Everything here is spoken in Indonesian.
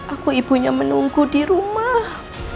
aku ibunya menunggu di rumah